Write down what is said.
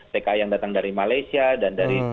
tki yang datang dari malaysia dan dari